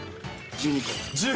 １２個。